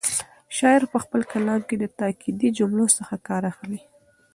شاعر په خپل کلام کې له تاکېدي جملو څخه کار اخلي.